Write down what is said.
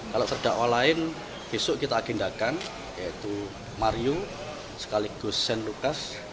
kalau terdakwa lain besok kita agendakan yaitu mario sekaligus shane lucas